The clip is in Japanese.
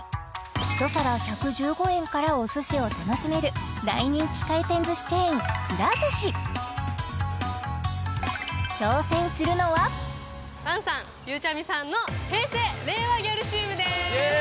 １皿１１５円からお寿司を楽しめる大人気回転寿司チェーンくら寿司挑戦するのは菅さんゆうちゃみさんのイエーイ！